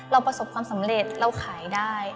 ประสบความสำเร็จเราขายได้